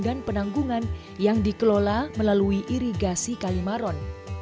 dan penanggungan yang dikelola melalui irigasi kalimaron